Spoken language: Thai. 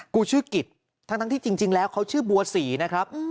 กูชื่อกิจทั้งที่จริงแล้วเขาชื่อบัวศรีนะครับ